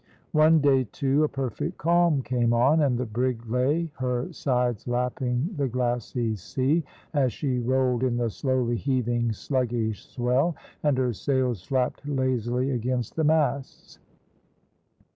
One day, too, a perfect calm came on, and the brig lay, her sides lapping the glassy sea, as she rolled in the slowly heaving, sluggish swell, and her sails flapped lazily against the masts.